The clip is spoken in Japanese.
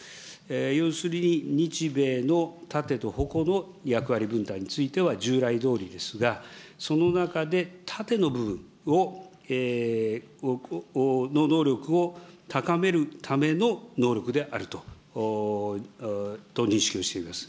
要するに、日米の盾と矛の役割分担については従来どおりですが、その中で、盾の部分の能力を高めるための能力であると認識をしています。